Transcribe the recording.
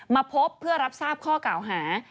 มาพบเพื่อรับทราบข้อกล่าวหา